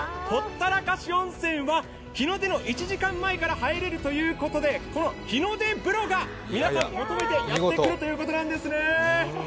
ほったらかし温泉は日の出の１時間前から入れるということで、この日の出風呂が皆さん、求めてやってくるということなんですね。